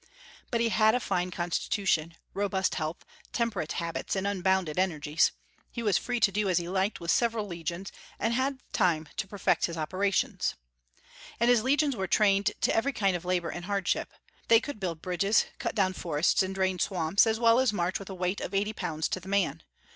But he had a fine constitution, robust health, temperate habits, and unbounded energies. He was free to do as he liked with several legions, and had time to perfect his operations. And his legions were trained to every kind of labor and hardship. They could build bridges, cut down forests, and drain swamps, as well as march with a weight of eighty pounds to the man.